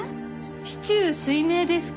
四柱推命ですか？